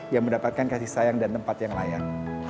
yang mendapatkan kasih sayang dan tempat yang layak